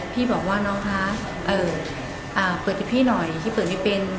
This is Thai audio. พี่บอกว่าน้องคะเปิดให้พี่หน่อยพี่เปิดไม่เป็น